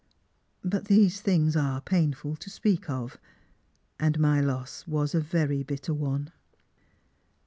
But these things are painfril to speak of, and my loss was a very bitter one."